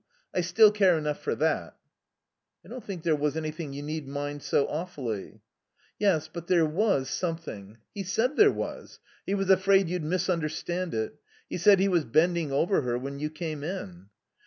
I still care enough for that." "I don't think there was anything you need mind so awfully." "Yes, but there was something. He said there was. He was afraid you'd misunderstand it. He said he was bending over her when you came in."